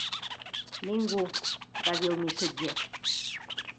"Ningú", va dir el missatger.